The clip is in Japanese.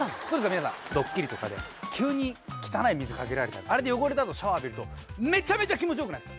皆さんドッキリとかで急に汚い水かけられたりあれで汚れた後シャワー浴びるとめちゃめちゃ気持ち良くないですか？